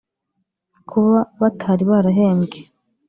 Kuba batari barahembwe